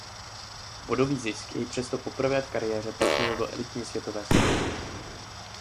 Bodový zisk jej přesto poprvé v kariéře posunul do elitní světové stovky.